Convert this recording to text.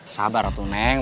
sabar tuh neng